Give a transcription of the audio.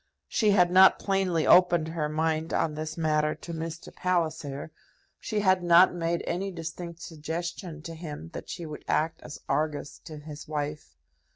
She had not plainly opened her mind on this matter to Mr. Palliser; she had not made any distinct suggestion to him that she would act as Argus to his wife.